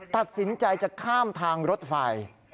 ตัดสินใจจะข้ามทางรถไฟ